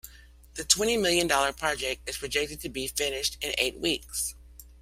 The twenty million dollar project is projected to be finished in eight weeks.